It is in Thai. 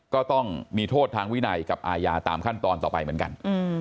ก็ต้องมีโทษทางวินัยกับอาญาตามขั้นตอนต่อไปเหมือนกัน